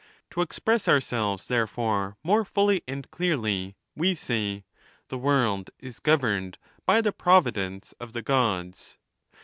To express ourselves, therefore, more fully and clearly, we say, " The world is governed by the providence of the Gods."